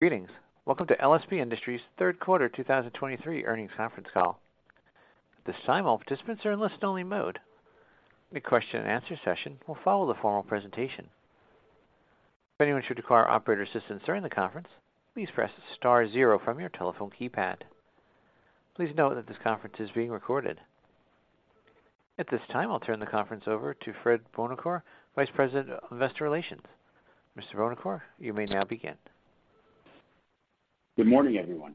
Greetings. Welcome to LSB Industries' Third Quarter 2023 Earnings Conference Call. At this time, all participants are in listen-only mode. The question-and-answer session will follow the formal presentation. If anyone should require operator assistance during the conference, please press star zero from your telephone keypad. Please note that this conference is being recorded. At this time, I'll turn the conference over to Fred Buonocore, Vice President of Investor Relations. Mr. Buonocore, you may now begin. Good morning, everyone.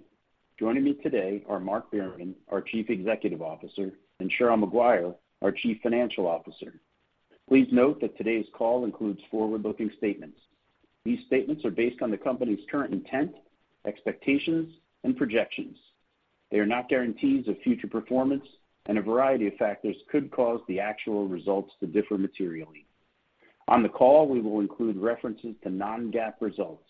Joining me today are Mark Behrman; our Chief Executive Officer, and Cheryl Maguire; our Chief Financial Officer. Please note that today's call includes forward-looking statements. These statements are based on the company's current intent, expectations, and projections. They are not guarantees of future performance, and a variety of factors could cause the actual results to differ materially. On the call, we will include references to non-GAAP results.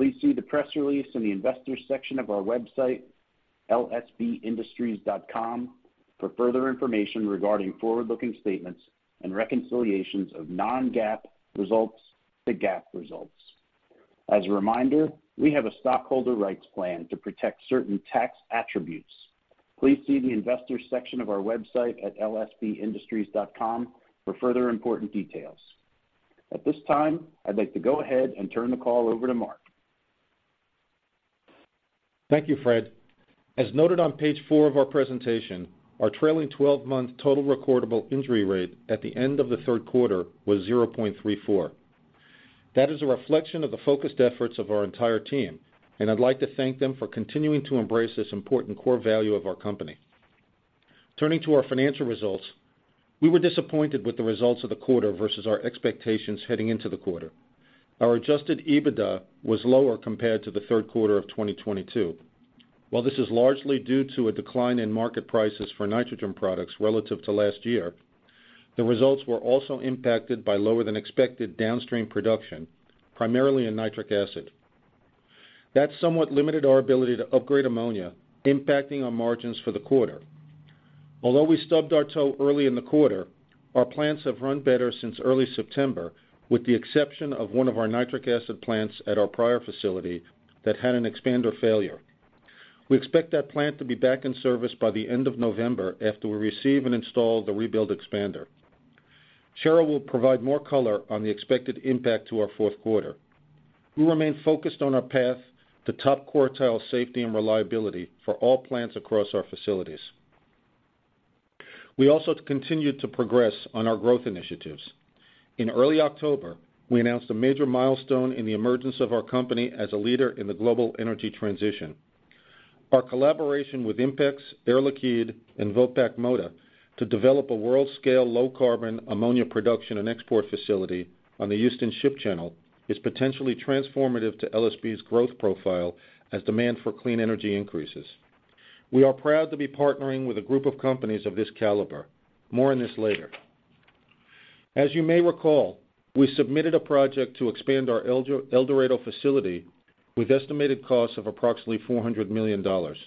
Please see the press release in the Investors section of our website, lsbindustries.com, for further information regarding forward-looking statements and reconciliations of non-GAAP results to GAAP results. As a reminder, we have a stockholder rights plan to protect certain tax attributes. Please see the Investors section of our website at lsbindustries.com for further important details. At this time, I'd like to go ahead and turn the call over to Mark. Thank you, Fred. As noted on page four of our presentation, our trailing 12-month total recordable injury rate at the end of the third quarter was 0.34. That is a reflection of the focused efforts of our entire team, and I'd like to thank them for continuing to embrace this important core value of our company. Turning to our financial results, we were disappointed with the results of the quarter versus our expectations heading into the quarter. Our adjusted EBITDA was lower compared to the third quarter of 2022. While this is largely due to a decline in market prices for nitrogen products relative to last year, the results were also impacted by lower-than-expected downstream production, primarily in nitric acid. That somewhat limited our ability to upgrade ammonia, impacting our margins for the quarter. Although we stubbed our toe early in the quarter, our plants have run better since early September, with the exception of one of our nitric acid plants at our Pryor facility that had an expander failure. We expect that plant to be back in service by the end of November, after we receive and install the rebuilt expander. Cheryl will provide more color on the expected impact to our fourth quarter. We remain focused on our path to top-quartile safety and reliability for all plants across our facilities. We also continued to progress on our growth initiatives. In early October, we announced a major milestone in the emergence of our company as a leader in the global energy transition. Our collaboration with INPEX, Air Liquide, and Vopak Moda to develop a world-scale, low-carbon ammonia production and export facility on the Houston Ship Channel is potentially transformative to LSB's growth profile as demand for clean energy increases. We are proud to be partnering with a group of companies of this caliber. More on this later. As you may recall, we submitted a project to expand our El Dorado facility with estimated costs of approximately $400 million. The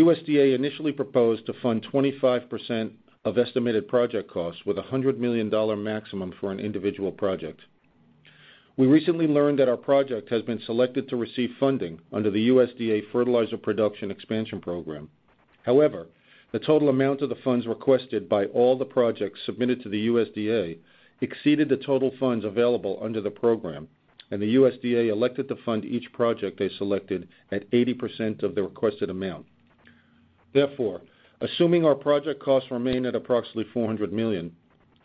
USDA initially proposed to fund 25% of estimated project costs, with a $100 million maximum for an individual project. We recently learned that our project has been selected to receive funding under the USDA Fertilizer Production Expansion Program. However, the total amount of the funds requested by all the projects submitted to the USDA exceeded the total funds available under the program, and the USDA elected to fund each project it selected at 80% of the requested amount. Therefore, assuming our project costs remain at approximately $400 million,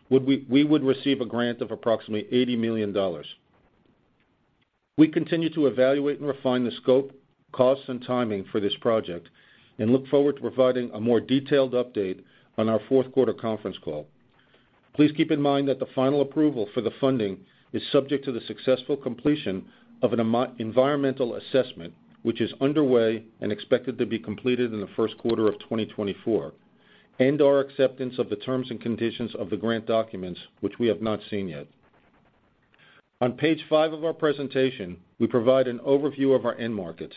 we would receive a grant of approximately $80 million. We continue to evaluate and refine the scope, costs, and timing for this project and look forward to providing a more detailed update on our fourth quarter conference call. Please keep in mind that the final approval for the funding is subject to the successful completion of an environmental assessment, which is underway and expected to be completed in the first quarter of 2024, and our acceptance of the terms and conditions of the grant documents, which we have not seen yet. On page five of our presentation, we provide an overview of our end markets.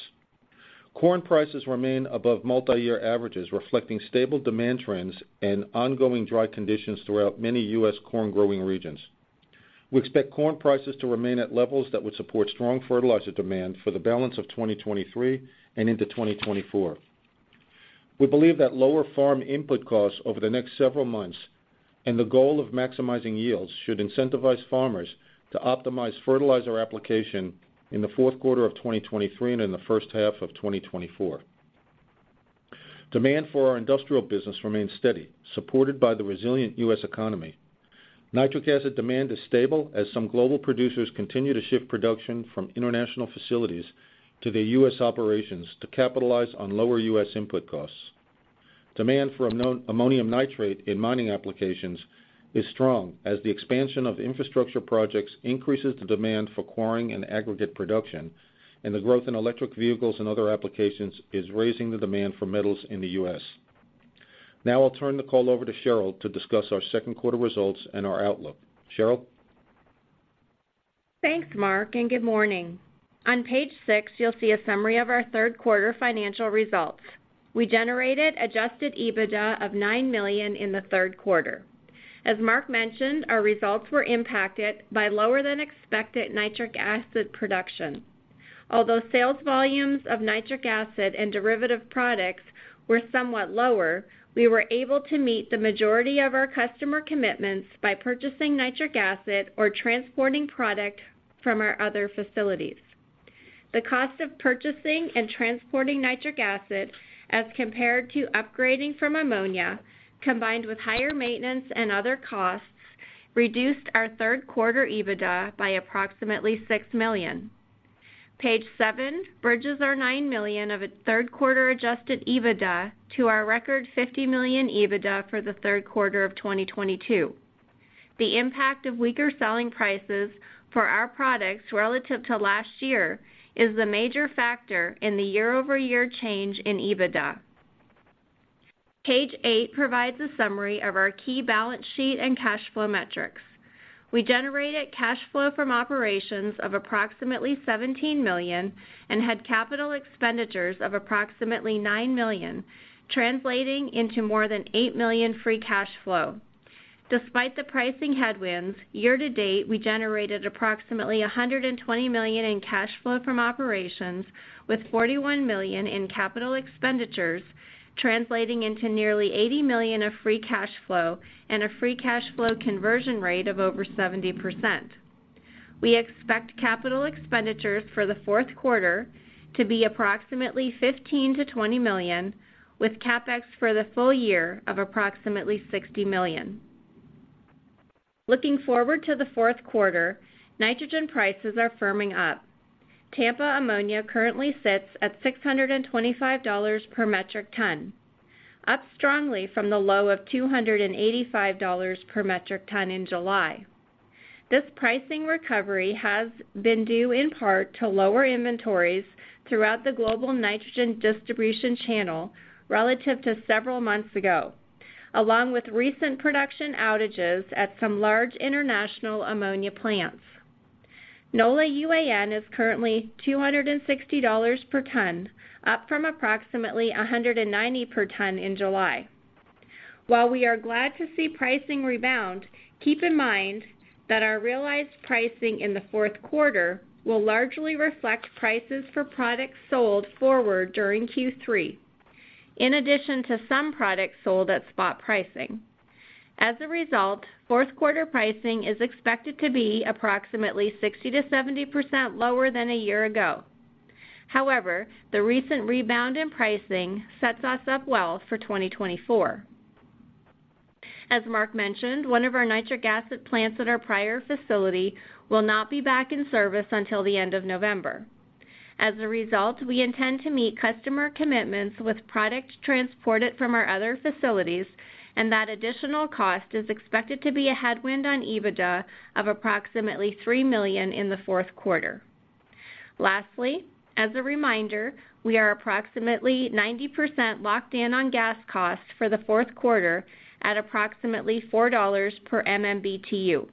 Corn prices remain above multi-year averages, reflecting stable demand trends and ongoing dry conditions throughout many U.S. corn-growing regions. We expect corn prices to remain at levels that would support strong fertilizer demand for the balance of 2023 and into 2024. We believe that lower farm input costs over the next several months and the goal of maximizing yields should incentivize farmers to optimize fertilizer application in the fourth quarter of 2023 and in the first half of 2024. Demand for our industrial business remains steady, supported by the resilient U.S. economy. Nitric Acid demand is stable, as some global producers continue to shift production from international facilities to their U.S. operations to capitalize on lower U.S. input costs. Demand for ammonium nitrate in mining applications is strong, as the expansion of infrastructure projects increases the demand for quarrying and aggregate production, and the growth in electric vehicles and other applications is raising the demand for metals in the U.S. Now, I'll turn the call over to Cheryl to discuss our second-quarterin results and our outlook. Cheryl? Thanks, Mark, and good morning. On page six, you'll see a summary of our third-quarter financial results. We generated adjusted EBITDA of $9 million in the third quarter. As Mark mentioned, our results were impacted by lower-than-expected nitric acid production. Although sales volumes of nitric acid and derivative products were somewhat lower, we were able to meet the majority of our customer commitments by purchasing nitric acid or transporting product from our other facilities. The cost of purchasing and transporting nitric acid, as compared to upgrading from ammonia, combined with higher maintenance and other costs, reduced our third quarter EBITDA by approximately $6 million. Page seven bridges our $9 million of third-quarter adjusted EBITDA to our record $50 million EBITDA for the third quarter of 2022. The impact of weaker selling prices for our products relative to last year is the major factor in the year-over-year change in EBITDA. Page eight provides a summary of our key balance sheet and cash flow metrics. We generated cash flow from operations of approximately $17 million and had capital expenditures of approximately $9 million, translating into more than $8 million free cash flow. Despite the pricing headwinds, year to date, we generated approximately $120 million in cash flow from operations, with $41 million in capital expenditures, translating into nearly $80 million of free cash flow and a free cash flow conversion rate of over 70%. We expect capital expenditures for the fourth quarter to be approximately $15-20 million, with CapEx for the full year of approximately $60 million. Looking forward to the fourth quarter, nitrogen prices are firming up. Tampa ammonia currently sits at $625 per metric ton, up strongly from the low of $285 per metric ton in July. This pricing recovery has been due in part to lower inventories throughout the global nitrogen distribution channel relative to several months ago, along with recent production outages at some large international ammonia plants. NOLA UAN is currently $260 per ton, up from approximately $190 per ton in July. While we are glad to see pricing rebound, keep in mind that our realized pricing in the fourth quarter will largely reflect prices for products sold forward during Q3, in addition to some products sold at spot pricing. As a result, fourth quarter pricing is expected to be approximately 60%-70% lower than a year ago. However, the recent rebound in pricing sets us up well for 2024. As Mark mentioned, one of our nitric acid plants at our Pryor facility will not be back in service until the end of November. As a result, we intend to meet customer commitments with product transported from our other facilities, and that additional cost is expected to be a headwind on EBITDA of approximately $3 million in the fourth quarter. Lastly, as a reminder, we are approximately 90% locked in on gas costs for the fourth quarter at approximately $4 per MMBTU.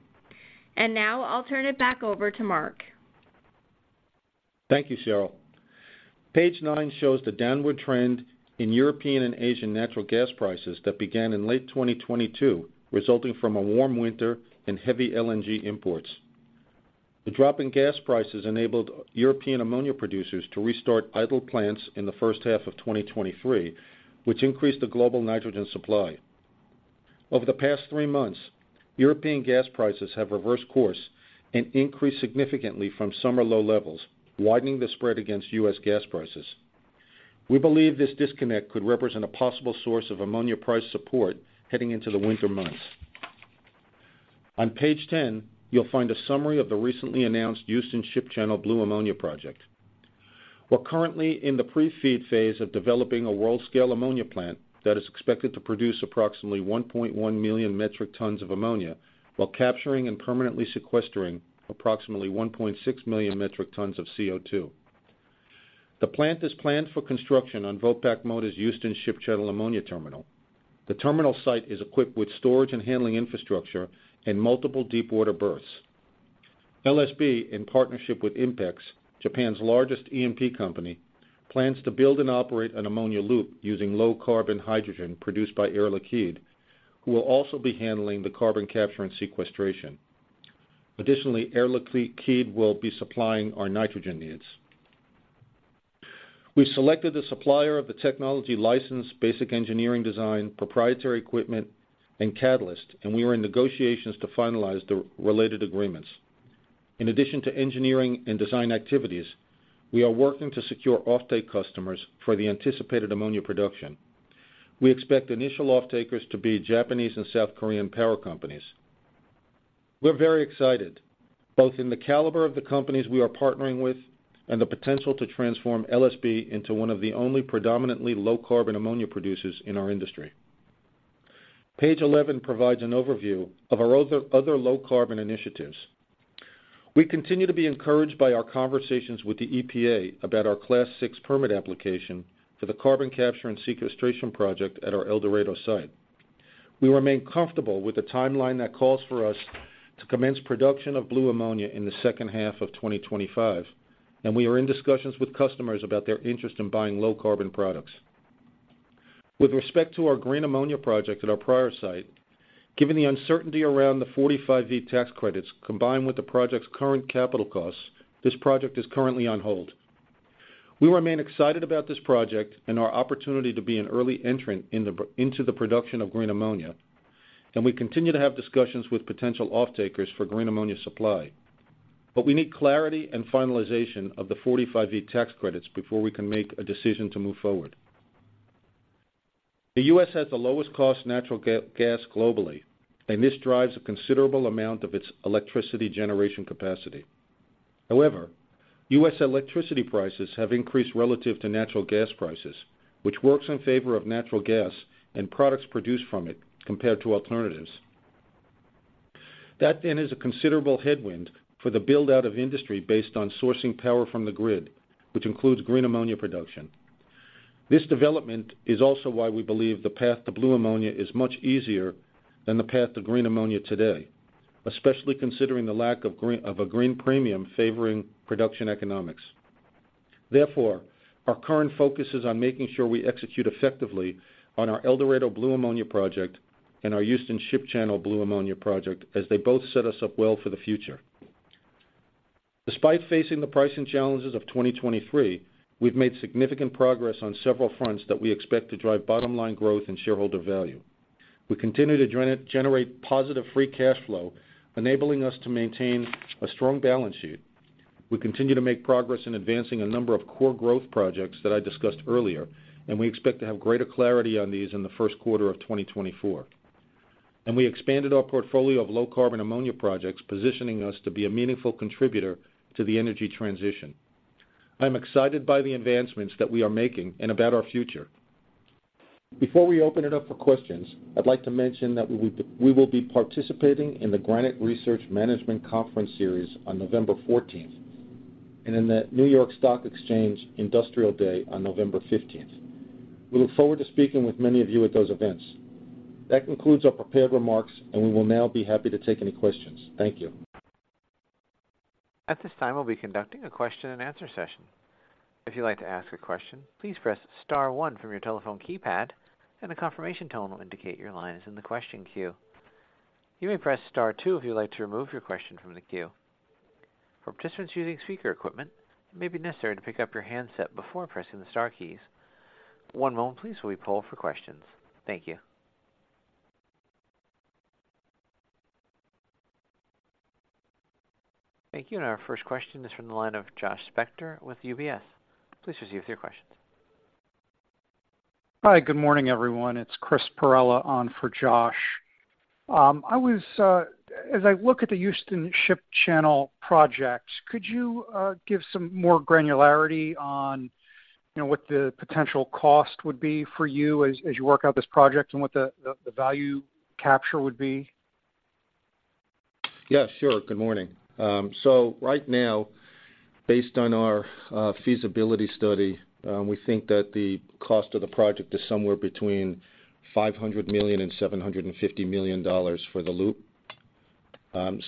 Now I'll turn it back over to Mark. Thank you, Cheryl. Page nine shows the downward trend in European and Asian natural gas prices that began in late 2022, resulting from a warm winter and heavy LNG imports. The drop in gas prices enabled European ammonia producers to restart idle plants in the first half of 2023, which increased the global nitrogen supply. Over the past three months, European gas prices have reversed course and increased significantly from summer low levels, widening the spread against U.S. gas prices. We believe this disconnect could represent a possible source of ammonia price support heading into the winter months. On page 10, you'll find a summary of the recently announced Houston Ship Channel Blue Ammonia project. We're currently in the pre-FEED phase of developing a world-scale ammonia plant that is expected to produce approximately 1.1 million metric tons of ammonia, while capturing and permanently sequestering approximately 1.6 million metric tons of CO2. The plant is planned for construction on Vopak Moda's Houston Ship Channel Ammonia Terminal. The terminal site is equipped with storage and handling infrastructure and multiple deepwater berths. LSB, in partnership with INPEX, Japan's largest E&P company, plans to build and operate an ammonia loop using low-carbon hydrogen produced by Air Liquide, which will also be handling the carbon capture and sequestration. Additionally, Air Liquide will be supplying our nitrogen needs. We've selected the supplier of the technology license, basic engineering design, proprietary equipment, and catalyst, and we are in negotiations to finalize the related agreements. In addition to engineering and design activities, we are working to secure offtake customers for the anticipated ammonia production. We expect initial off-takers to be Japanese and South Korean power companies. We're very excited, both in the caliber of the companies we are partnering with and the potential to transform LSB into one of the only predominantly low-carbon ammonia producers in our industry. Page 11 provides an overview of our other low-carbon initiatives. We continue to be encouraged by our conversations with the EPA about our Class VI permit application for the carbon capture and sequestration project at our El Dorado site. We remain comfortable with the timeline that calls for us to commence production of blue ammonia in the second half of 2025, and we are in discussions with customers about their interest in buying low-carbon products. With respect to our green ammonia project at our Pryor site, given the uncertainty around the 45V tax credits, combined with the project's current capital costs, this project is currently on hold. We remain excited about this project and our opportunity to be an early entrant into the production of green ammonia, and we continue to have discussions with potential off-takers for green ammonia supply. But we need clarity and finalization of the 45V tax credits before we can make a decision to move forward. The U.S. has the lowest cost natural gas globally, and this drives a considerable amount of its electricity generation capacity. However, U.S. electricity prices have increased relative to natural gas prices, which works in favor of natural gas and products produced from it compared to alternatives. That then is a considerable headwind for the build-out of industry based on sourcing power from the grid, which includes green ammonia production. This development is also why we believe the path to blue ammonia is much easier than the path to green ammonia today, especially considering the lack of green premium favoring production economics. Therefore, our current focus is on making sure we execute effectively on our El Dorado blue ammonia project and our Houston Ship Channel Blue Ammonia Project, as they both set us up well for the future. Despite facing the pricing challenges of 2023, we've made significant progress on several fronts that we expect to drive bottom-line growth and shareholder value. We continue to generate positive free cash flow, enabling us to maintain a strong balance sheet. We continue to make progress in advancing a number of core growth projects that I discussed earlier, and we expect to have greater clarity on these in the first quarter of 2024. We expanded our portfolio of low-carbon ammonia projects, positioning us to be a meaningful contributor to the energy transition. I'm excited by the advancements that we are making and about our future. Before we open it up for questions, I'd like to mention that we will be participating in the Granite Research Management Conference series on November 14th, and in the New York Stock Exchange Industrial Day on November 15th. We look forward to speaking with many of you at those events. That concludes our prepared remarks, and we will now be happy to take any questions. Thank you. At this time, we'll be conducting a question-and-answer session. If you'd like to ask a question, please press star one from your telephone keypad, and a confirmation tone will indicate your line is in the question queue. You may press star two if you'd like to remove your question from the queue. For participants using speaker equipment, it may be necessary to pick up your handset before pressing the star keys. One moment, please, while we poll for questions. Thank you. Thank you. And our first question is from the line of Josh Spector with UBS. Please proceed with your questions. Hi, good morning, everyone. It's Chris Parrella on for Josh. As I look at the Houston Ship Channel project, could you give some more granularity on, you know, what the potential cost would be for you as you work out this project and what the value capture would be? Yeah, sure. Good morning. So right now, based on our feasibility study, we think that the cost of the project is somewhere between $500 million and $750 million for the loop.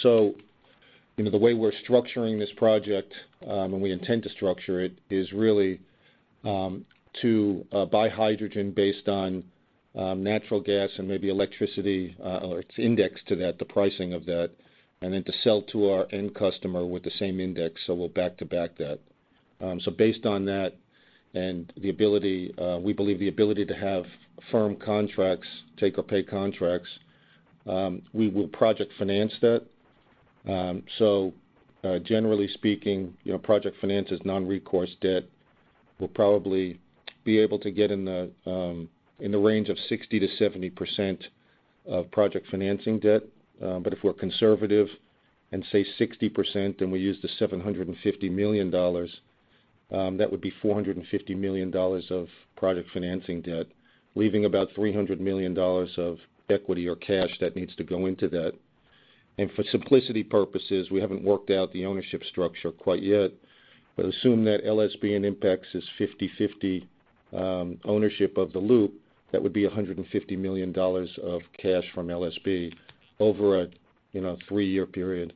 So, you know, the way we're structuring this project, and we intend to structure it, is really to buy hydrogen based on natural gas and maybe electricity, or it's indexed to that, the pricing of that, and then to sell to our end customer with the same index. So we'll back-to-back that. So based on that and the ability, we believe the ability to have firm contracts, take-or-pay contracts, we will project finance that. So, generally speaking, you know, project finance is non-recourse debt. We'll probably be able to get in the range of 60%-70% of project financing debt. But if we're conservative and say 60%, then we use the $750 million, that would be $450 million of project financing debt, leaving about $300 million of equity or cash that needs to go into that. And for simplicity purposes, we haven't worked out the ownership structure quite yet, but assume that LSB and INPEX is 50/50, ownership of the loop, that would be a $150 million of cash from LSB over a, you know, three-year period.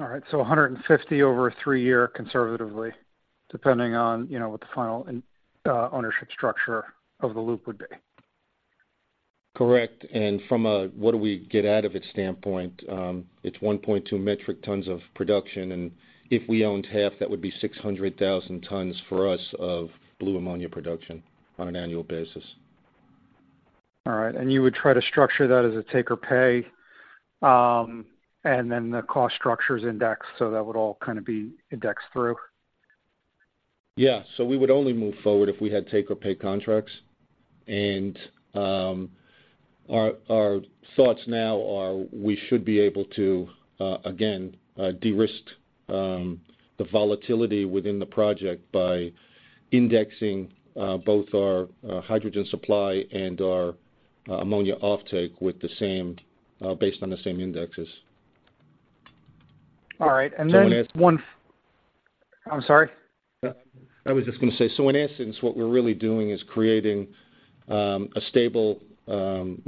All right. So $150 over a three-year, conservatively, depending on, you know, what the final ownership structure of the loop would be. Correct. From a what do we get out of it standpoint, it's 1.2 metric tons of production, and if we owned half, that would be 600,000 tons of blue ammonia production on an annual basis. All right. And you would try to structure that as a take-or-pay, and then the cost structure's indexed, so that would all kind of be indexed through? Yeah. So we would only move forward if we had take-or-pay contracts. Our thoughts now are, we should be able to again de-risk the volatility within the project by indexing both our hydrogen supply and our ammonia offtake with the same, based on the same indexes.... All right, and then, I'm sorry. I was just gonna say, in essence, what we're really doing is creating, we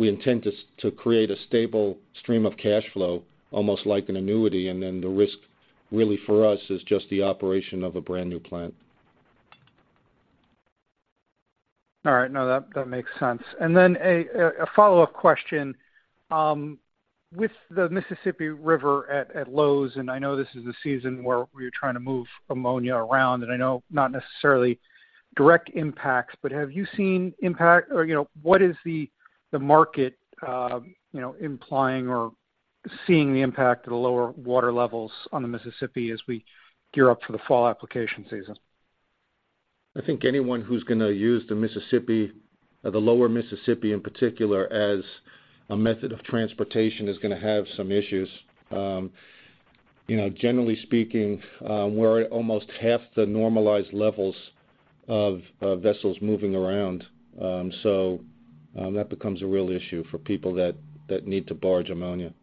intend to create a stable stream of cash flow, almost like an annuity, and then the risk, really, for us, is just the operation of a brand-new plant. All right. No, that, that makes sense. And then a follow-up question. With the Mississippi River at lows, and I know this is the season where you're trying to move ammonia around, and I know not necessarily direct impacts, but have you seen impact, or, you know, what is the market implying or seeing the impact of the lower water levels on the Mississippi as we gear up for the fall application season? I think anyone who's gonna use the Mississippi, or the lower Mississippi, in particular, as a method of transportation, is gonna have some issues. You know, generally speaking, we're at almost half the normalized levels of vessels moving around, that becomes a real issue for people that need to barge ammonia.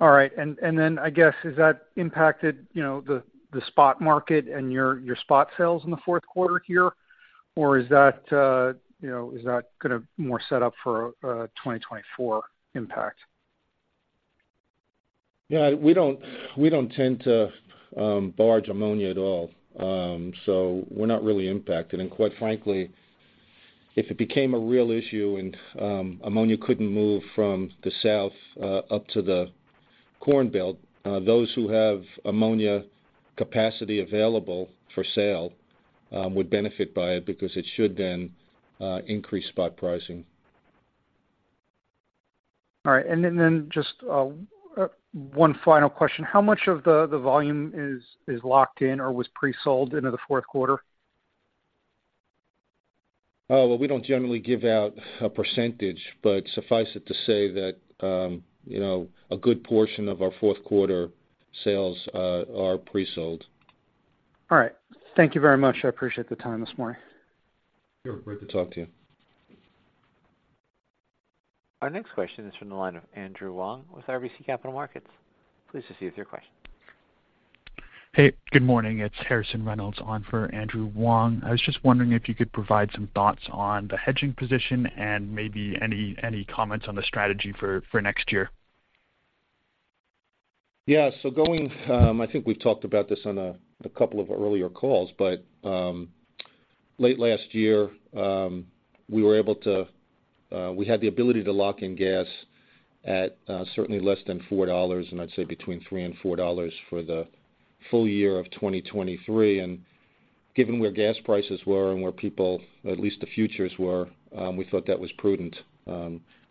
All right. And then, I guess, has that impacted, you know, the spot market and your spot sales in the fourth quarter here? Or is that, you know, is that kind of more set up for a 2024 impact? Yeah, we don't, we don't tend to barge ammonia at all. So we're not really impacted. And quite frankly, if it became a real issue and ammonia couldn't move from the south up to the Corn Belt, those who have ammonia capacity available for sale would benefit by it because it should then increase spot pricing. All right, and then just one final question. How much of the volume is locked in or was pre-sold into the fourth quarter? Well, we don't generally give out a percentage, but suffice it to say that, you know, a good portion of our fourth quarter sales are pre-sold. All right. Thank you very much. I appreciate the time this morning. Sure. Great to talk to you. Our next question is from the line of Andrew Wong with RBC Capital Markets. Please proceed with your question. Hey, good morning. It's Harrison Reynolds on for Andrew Wong. I was just wondering if you could provide some thoughts on the hedging position and maybe any comments on the strategy for next year. Yeah. So, going, I think we've talked about this on a couple of earlier calls, but late last year, we were able to, we had the ability to lock in gas at, certainly, less than $4, and I'd say between $3 and $4 for the full year of 2023. And given where gas prices were and where people, at least the futures, were, we thought that was prudent.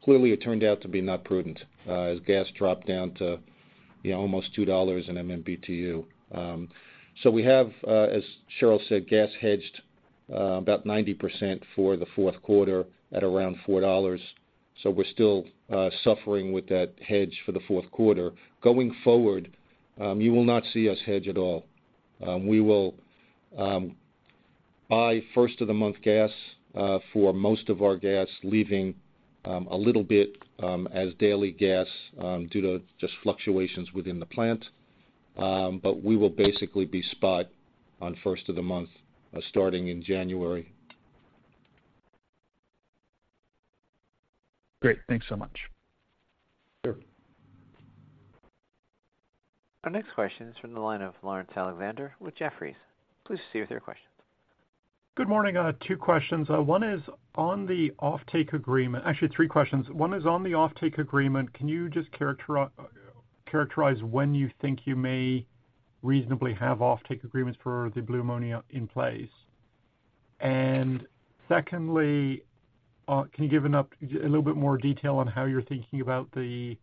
Clearly, it turned out to be not prudent, as gas dropped down to, you know, almost $2 in MMBtu. So we have, as Cheryl said, gas hedged, about 90% for the fourth quarter at around $4. So we're still suffering with that hedge for the fourth quarter. Going forward, you will not see us hedge at all. We will buy first-of-the-month gas for most of our gas, leaving a little bit as daily gas due to fluctuations within the plant. But we will basically be spot on first of the month starting in January. Great. Thanks so much. Sure. Our next question is from the line of Laurence Alexander with Jefferies. Please proceed with your questions. Good morning. I have two questions. One is on the offtake agreement. Actually, three questions. One is on the offtake agreement. Can you just characterize when you think you may reasonably have offtake agreements for the Blue Ammonia in place? And secondly, can you give a little bit more detail on how you're thinking about the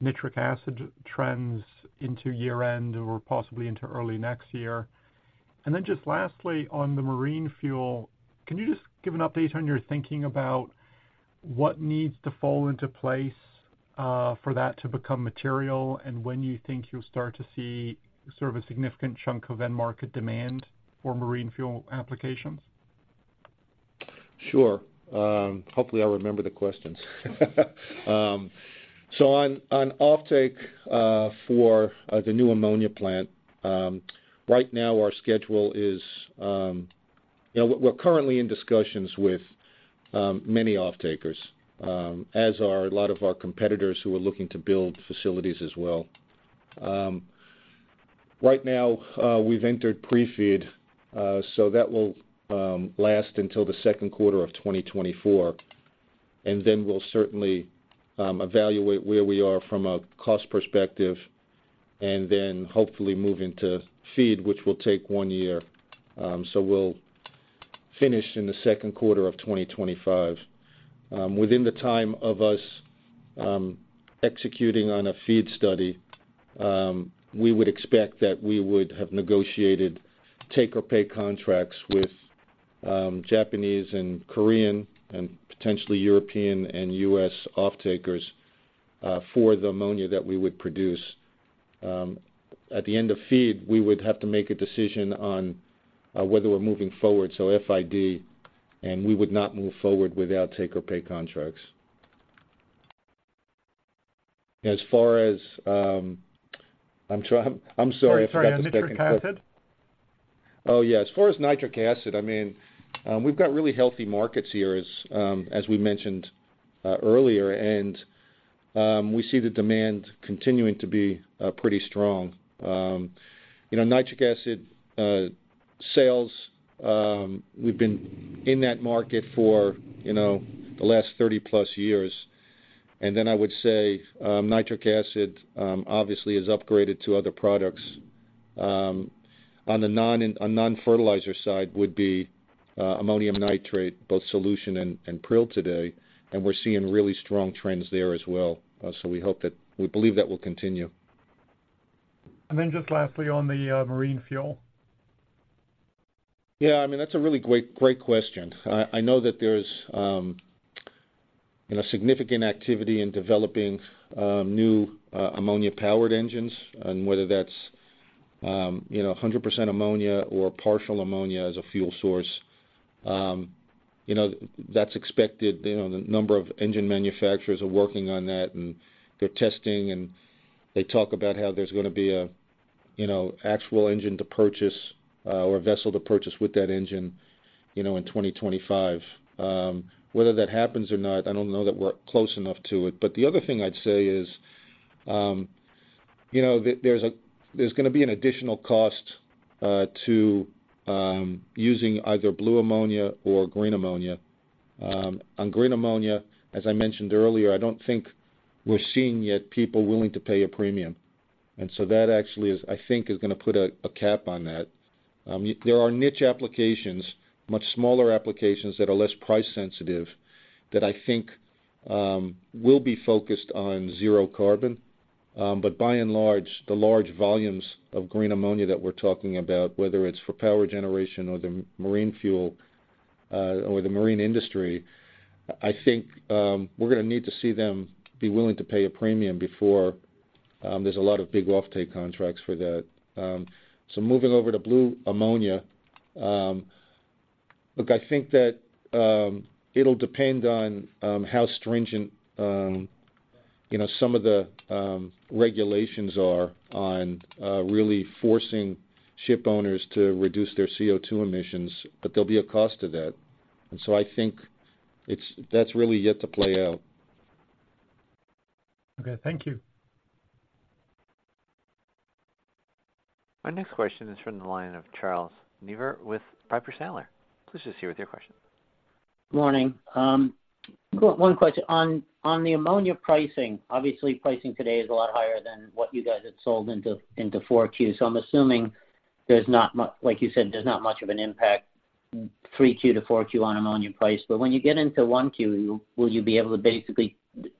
Nitric Acid trends into year-end or possibly into early next year? And then, just lastly, on the marine fuel, can you just give an update on your thinking about what needs to fall into place for that to become material, and when you think you'll start to see sort of a significant chunk of end market demand for marine fuel applications? Sure. Hopefully, I'll remember the questions. So on offtake for the new ammonia plant, right now, our schedule is, you know. We're currently in discussions with many offtakers, as are a lot of our competitors who are looking to build facilities as well. Right now, we've entered pre-FEED, so that will last until the second quarter of 2024. Then we'll certainly evaluate where we are from a cost perspective and then hopefully move into FEED, which will take one year. So we'll finish in the second quarter of 2025. Within the time of us executing on a FEED study, we would expect that we would have negotiated take-or-pay contracts with Japanese and Korean, and potentially European and U.S. offtakers, for the ammonia that we would produce. At the end of FEED, we would have to make a decision on whether we're moving forward, so FID, and we would not move forward without take-or-pay contracts.... As far as, I'm sorry, I forgot the second- Sorry, nitric acid? Oh, yeah. As far as Nitric Acid, I mean, we've got really healthy markets here, as, as we mentioned, earlier. And, we see the demand continuing to be, pretty strong. You know, Nitric Acid sales, we've been in that market for, you know, the last 30+ years. And then I would say, Nitric Acid, obviously, is upgraded to other products. On the non-fertilizer side would be, Ammonium Nitrate, both solution and prill today, and we're seeing really strong trends there as well. So we hope that - we believe that will continue. And then just lastly, on the marine fuel. Yeah, I mean, that's a really great, great question. I, I know that there's, you know, significant activity in developing, new, ammonia-powered engines, and whether that's, you know, 100% ammonia or partial ammonia as a fuel source. You know, that's expected. You know, the number of engine manufacturers are working on that, and they're testing, and they talk about how there's gonna be a, you know, actual engine to purchase, or vessel to purchase with that engine, you know, in 2025. Whether that happens or not, I don't know that we're close enough to it. But the other thing I'd say is, you know, that there's a, there's gonna be an additional cost, to, using either blue ammonia or green ammonia. On green ammonia, as I mentioned earlier, I don't think we're seeing yet people willing to pay a premium, and so that actually is—I think is gonna put a cap on that. There are niche applications, much smaller applications that are less price sensitive, that I think will be focused on zero carbon. But by and large, the large volumes of green ammonia that we're talking about, whether it's for power generation or the marine fuel, or the marine industry, I think we're gonna need to see them be willing to pay a premium before there's a lot of big offtake contracts for that. So moving over to Blue Ammonia, look, I think that it'll depend on how stringent, you know, some of the regulations are on really forcing shipowners to reduce their CO2 emissions, but there'll be a cost to that. And so I think it's, that's really yet to play out. Okay, thank you. Our next question is from the line of Charles Neivert with Piper Sandler. Please go ahead with your question. Morning. One question. On the ammonia pricing, obviously, pricing today is a lot higher than what you guys had sold into four Q., So I'm assuming there's not much, like you said, there's not much of an impact, three Q to four Q on ammonia price. But when you get into one Q, will you be able to basically...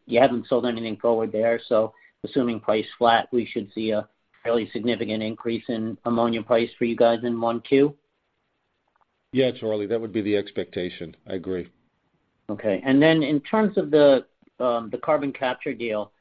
You haven't sold anything forward there, so assuming price flat, we should see a fairly significant increase in ammonia price for you guys in one Q? Yeah, Charlie, that would be the expectation. I agree. Okay. And then in terms of the carbon capture deal,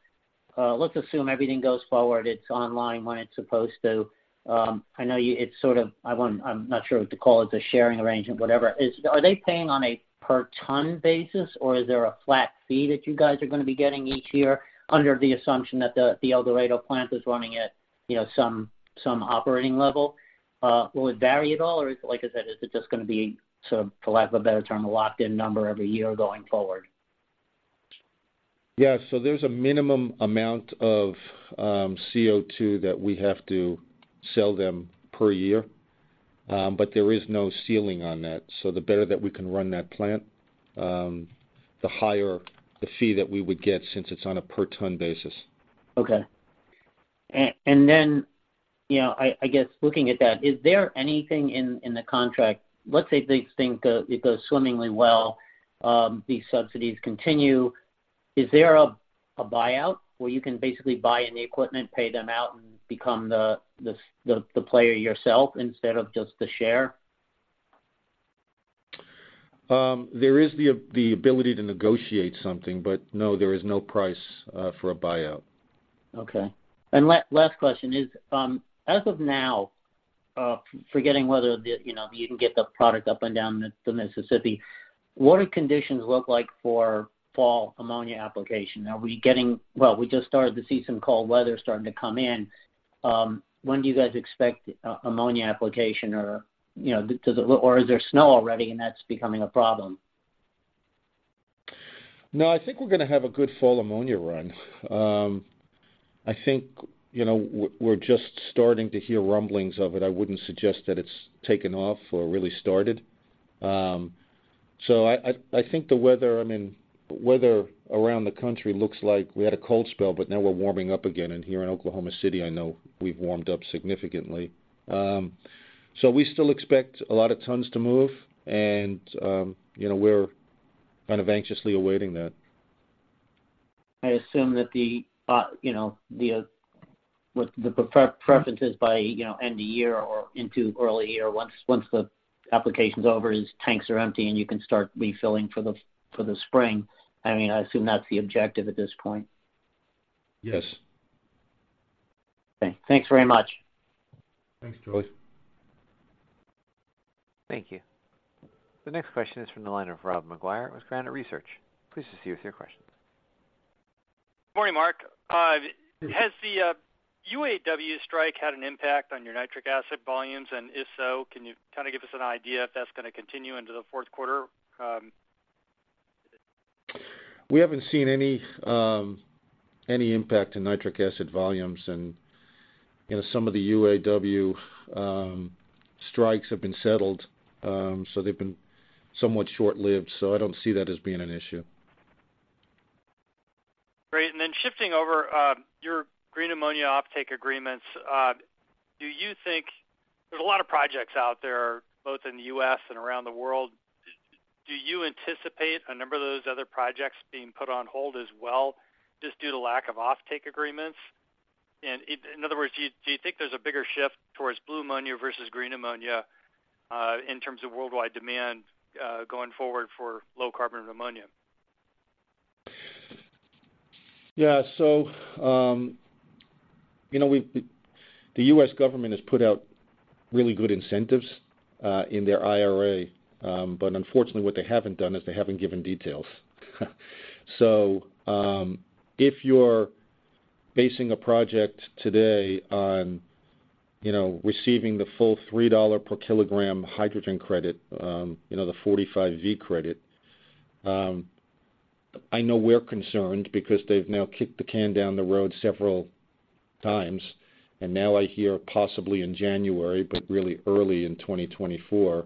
let's assume everything goes forward, it's online when it's supposed to. I know you-- it's sort of, I'm not sure what to call it, a sharing arrangement, whatever. Are they paying on a per ton basis, or is there a flat fee that you guys are gonna be getting each year under the assumption that the El Dorado plant is running at, you know, some operating level? Will it vary at all, or is it, like I said, just gonna be, sort of, for lack of a better term, a locked-in number every year going forward? Yeah. So there's a minimum amount of CO2 that we have to sell them per year, but there is no ceiling on that. So the better that we can run that plant, the higher the fee that we would get, since it's on a per-ton, basis. Okay. And then, you know, I guess looking at that, is there anything in the contract? Let's say they think it goes swimmingly well, these subsidies continue. Is there a buyout where you can basically buy any equipment, pay them out and become the player yourself instead of just the share? There is the ability to negotiate something, but no, there is no price for a buyout. Okay. And last question is, as of now, forgetting whether the, you know, you can get the product up and down the, the Mississippi, what do conditions look like for fall ammonia application? Are we getting-- Well, we just started to see some cold weather starting to come in. When do you guys expect ammonia application or, you know, does it-- or is there snow already and that's becoming a problem? No, I think we're gonna have a good fall ammonia run. I think, you know, we're just starting to hear rumblings of it. I wouldn't suggest that it's taken off or really started. So I think the weather, I mean, weather around the country looks like we had a cold spell, but now we're warming up again. And here in Oklahoma City, I know we've warmed up significantly. So we still expect a lot of tons to move, and, you know, we're kind of anxiously awaiting that. I assume that, you know, with the preferences by, you know, end of year or into early year, once the application's over, these tanks are empty, and you can start refilling for the spring. I mean, I assume that's the objective at this point. Yes. Okay. Thanks very much. Thanks, Charlie. Thank you. The next question is from the line of Rob McGuire with Granite Research. Please proceed with your questions. Morning, Mark. Has the UAW strike had an impact on your nitric acid volumes? And if so, can you kind of give us an idea if that's gonna continue into the fourth quarter? We haven't seen any impact in nitric acid volumes. You know, some of the UAW strikes have been settled, so they've been somewhat short-lived, so I don't see that as being an issue. Great. And then shifting over, your green ammonia offtake agreements, do you think? There are a lot of projects out there, both in the U.S. and around the world. Do you anticipate a number of those other projects being put on hold as well, just due to lack of offtake agreements? And in other words, do you think there's a bigger shift towards blue ammonia versus green ammonia, in terms of worldwide demand, going forward for low carbon ammonia? Yeah. So, you know, the U.S. government has put out really good incentives in their IRA. But unfortunately, what they haven't done is they haven't given details. So, if you're basing a project today on, you know, receiving the full $3 per kilogram hydrogen credit, you know, the 45V credit, I know we're concerned because they've now kicked the can down the road several times. And now I hear possibly in January, but really early in 2024,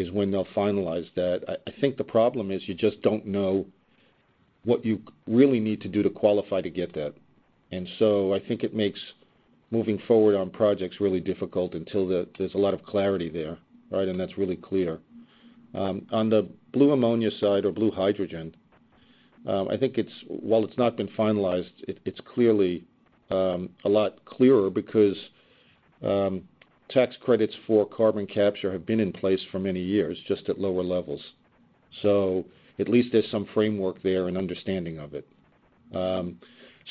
is when they'll finalize that. I think the problem is you just don't know what you really need to do to qualify to get that. And so I think it makes moving forward on projects really difficult until there's a lot of clarity there, right, and that's really clear. On the blue ammonia side or blue hydrogen, I think it's—while it's not been finalized, it, it's clearly a lot clearer because tax credits for carbon capture have been in place for many years, just at lower levels. So at least there's some framework there and understanding of it.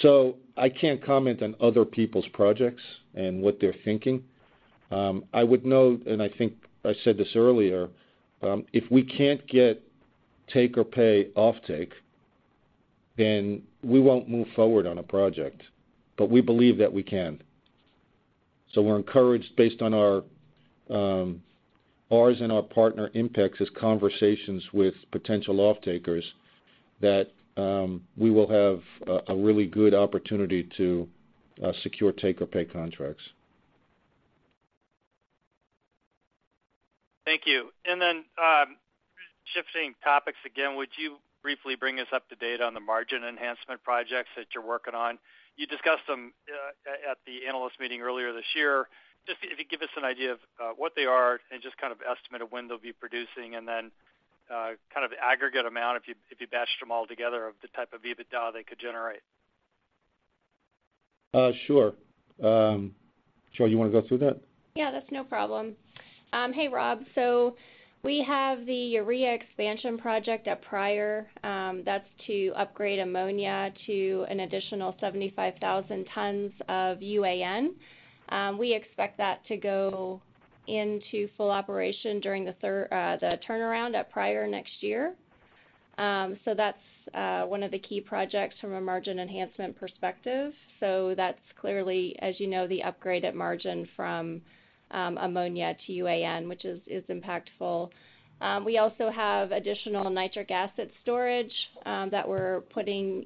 So I can't comment on other people's projects and what they're thinking. I would note, and I think I said this earlier, if we can't get take-or-pay offtake, then we won't move forward on a project. But we believe that we can. So we're encouraged, based on our, ours and our partner, INPEX's conversations with potential offtakers, that we will have a really good opportunity to secure take-or-pay contracts. Thank you. And then, shifting topics again, would you briefly bring us up to date on the margin enhancement projects that you're working on? You discussed them at the analyst meeting earlier this year. Just if you give us an idea of what they are and just kind of estimate of when they'll be producing, and then, kind of aggregate amount, if you bashed them all together, of the type of EBITDA they could generate. Sure. Cheryl, you wanna go through that? Yeah, that's no problem. Hey, Rob. So we have the urea expansion project at Pryor, that's to upgrade ammonia to an additional 75,000 tons of UAN. We expect that to go into full operation during the turnaround at Pryor next year. So that's one of the key projects from a margin enhancement perspective. So that's clearly, as you know, the upgrade at margin from ammonia to UAN, which is impactful. We also have additional nitric acid storage that we're putting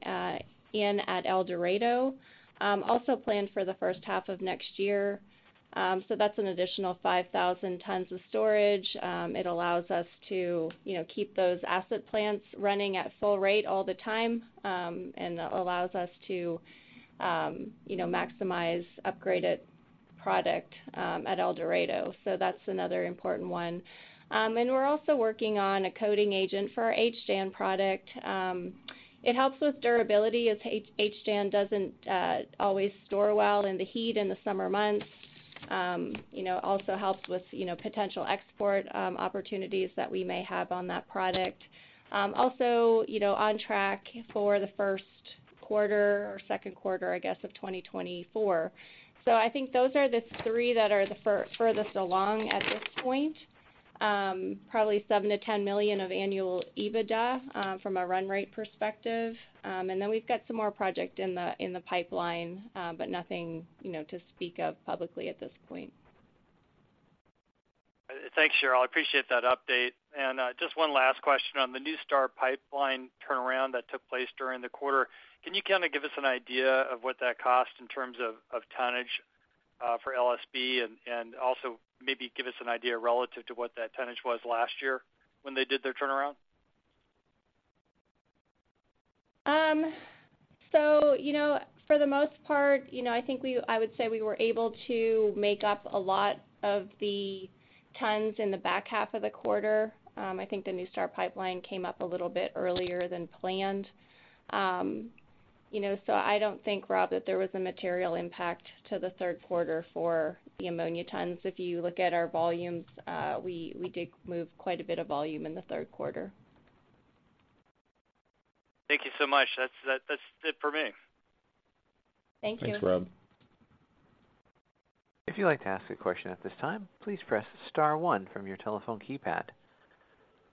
in at El Dorado, also planned for the first half of next year. So that's an additional 5,000 tons of storage. It allows us to, you know, keep those asset plants running at full rate all the time, and allows us to, you know, maximize upgraded product, at El Dorado. So that's another important one. We're also working on a coating agent for our HDAN product. It helps with durability, as HDAN doesn't always store well in the heat in the summer months. You know, also helps with, you know, potential export, opportunities that we may have on that product. Also, you know, on track for the first quarter or second quarter, I guess, of 2024. So I think those are the three that are the furthest along at this point. Probably $7 million-$10 million of annual EBITDA, from a run rate perspective. And then we've got some more project in the pipeline, but nothing, you know, to speak of publicly at this point. Thanks, Cheryl. I appreciate that update. Just one last question on the NuStar Pipeline turnaround that took place during the quarter. Can you kind of give us an idea of what that cost in terms of tonnage for LSB? Also maybe give us an idea relative to what that tonnage was last year when they did their turnaround? So, you know, for the most part, you know, I think we—I would say we were able to make up a lot of the tons in the back half of the quarter. I think the NuStar Pipeline came up a little bit earlier than planned. You know, so I don't think, Rob, that there was a material impact to the third quarter for the ammonia tons. If you look at our volumes, we, we did move quite a bit of volume in the third quarter.... Thank you so much. That's it for me. Thank you. Thanks, Rob. If you'd like to ask a question at this time, please press star one from your telephone keypad.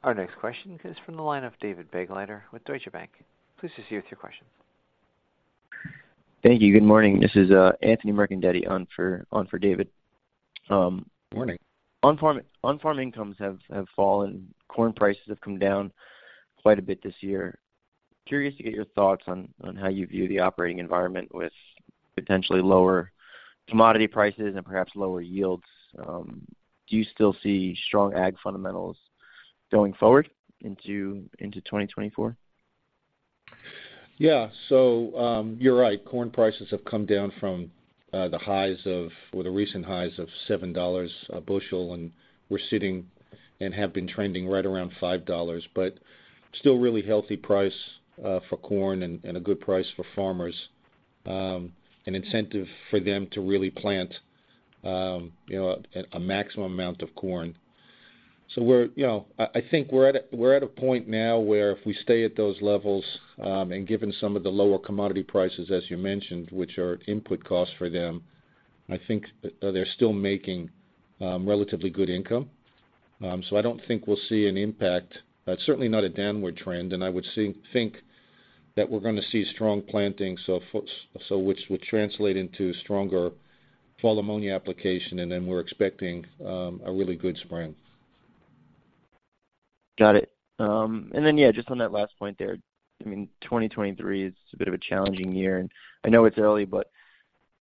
Our next question comes from the line of David Begleiter with Deutsche Bank. Please proceed with your question. Thank you. Good morning. This is Anthony Mercandetti on for, on for David. Morning. On-farm incomes have fallen. Corn prices have come down quite a bit this year. Curious to get your thoughts on how you view the operating environment with potentially lower commodity prices and perhaps lower yields. Do you still see strong ag fundamentals going forward into 2024? Yeah. So, you're right. Corn prices have come down from the highs of, or the recent highs of $7 a bushel, and we're sitting and have been trending right around $5. But still really healthy price for corn and a good price for farmers. An incentive for them to really plant, you know, a maximum amount of corn. So we're -- you know, I think we're at a point now where if we stay at those levels and given some of the lower commodity prices, as you mentioned, which are input costs for them, I think they're still making relatively good income. So I don't think we'll see an impact, but certainly not a downward trend, and I would think that we're gonna see strong planting, so which would translate into stronger fall ammonia application, and then we're expecting a really good spring. Got it. And then, yeah, just on that last point there, I mean, 2023 is a bit of a challenging year, and I know it's early, but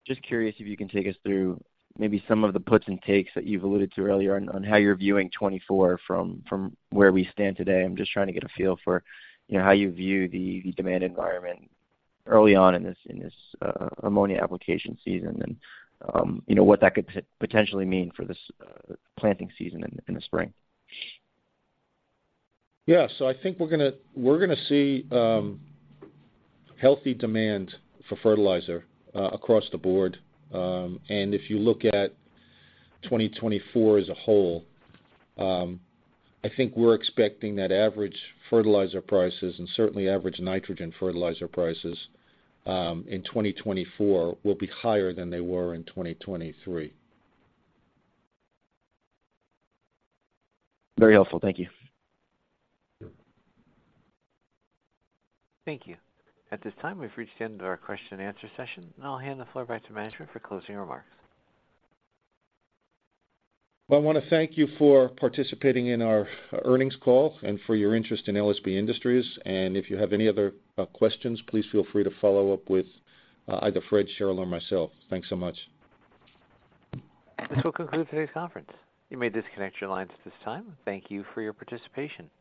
just curious if you can take us through maybe some of the puts and takes that you've alluded to earlier on, on how you're viewing 2024 from, from where we stand today. I'm just trying to get a feel for, you know, how you view the, the demand environment early on in this, in this, ammonia application season and, you know, what that could potentially mean for this, planting season in, in the spring. Yeah. So I think we're gonna, we're gonna see healthy demand for fertilizer across the board. And if you look at 2024 as a whole, I think we're expecting that average fertilizer prices, and certainly average nitrogen fertilizer prices, in 2024 will be higher than they were in 2023. Very helpful. Thank you. Thank you. At this time, we've reached the end of our question and answer session, and I'll hand the floor back to management for closing remarks. Well, I wanna thank you for participating in our earnings call and for your interest in LSB Industries. If you have any other questions, please feel free to follow up with either Fred, Cheryl, or myself. Thanks so much. This will conclude today's conference. You may disconnect your lines at this time. Thank you for your participation.